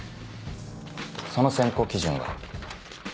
その選考基準は。